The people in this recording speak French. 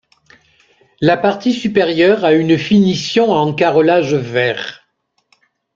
La partie supérieure a une finition en carrelage vert.